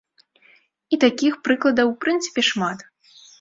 І такіх прыкладаў, у прынцыпе, шмат.